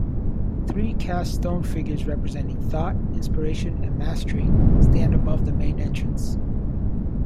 Three cast stone figures representing "Thought," "Inspiration," and "Mastery" stand above the main entrance.